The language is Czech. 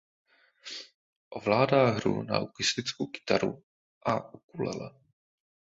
Ovládá hru na akustickou kytaru a ukulele.